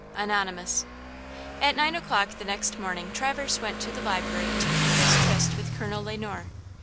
–Anonymous. AT nine o'clock the next morning Traverse went to the library to keep his tryst with Colonel Le Noir.